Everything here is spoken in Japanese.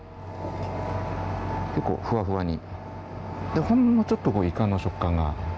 結構ふわふわに。